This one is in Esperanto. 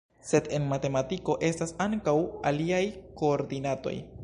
Sed en matematiko estas ankaŭ aliaj koordinatoj.